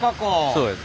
そうです